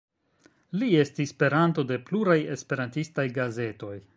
Li estis peranto de pluraj esperantistaj gazetoj.